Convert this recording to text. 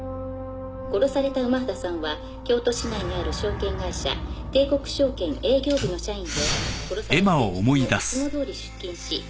殺された午端さんは京都市内にある証券会社帝国証券営業部の社員で殺される前日もいつもどおり出勤し会議に参加。